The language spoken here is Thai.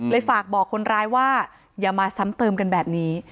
ฝากบอกคนร้ายว่าอย่ามาซ้ำเติมกันแบบนี้